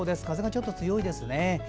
風がちょっと強いですね。